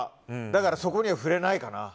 だから、そこには触れないかな。